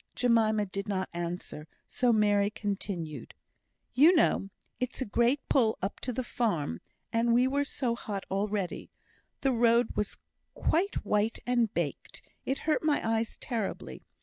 Jemima did not answer, so Mary continued: "You know it's a great pull up to the farm, and we were so hot already. The road was quite white and baked; it hurt my eyes terribly.